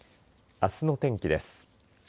あすの天気です。